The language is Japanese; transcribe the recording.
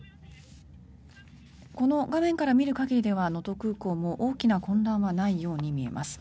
この画面から見る限りでは能登空港も大きな混乱はないように見えます。